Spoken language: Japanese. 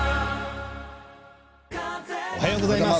おはようございます。